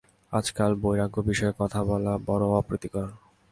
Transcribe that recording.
আজকাল বৈরাগ্যবিষয়ে কথা বলা বড় অপ্রীতিকর।